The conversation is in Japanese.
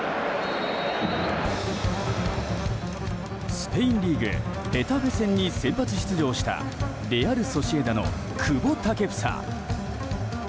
スペインリーグヘタフェ戦に先発出場したレアル・ソシエダの久保建英。